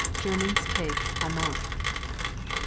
Germans take Haumont. 25.